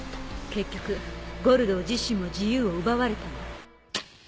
結局ゴルドー自身も自由を奪われたんだ。